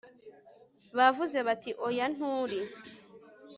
bavuze bati 'oya! nturi